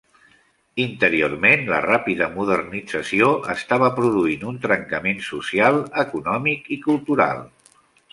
Interiorment la ràpida modernització estava produint un trencament social, econòmic i cultural.